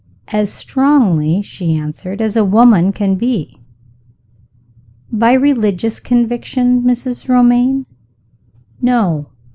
"As strongly," she answered, "as a woman can be." "By religious conviction, Mrs. Romayne?" "No.